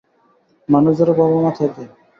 মানুষদেরও বাবা-মা থাকে?